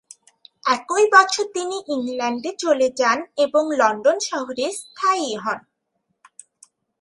একই বছর তিনি ইংল্যান্ডে চলে যা এবং লন্ডন শহরে স্থায়ী হন।